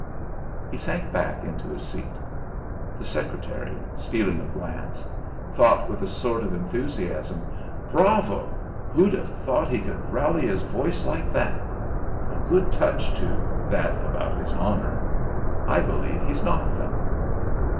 He sank back into his seat. The secretary, stealing a glance, thought with a sort of enthusiasm: 'Bravo! Who'd have thought he could rally his voice like that? A good touch, too, that about his honour! I believe he's knocked them.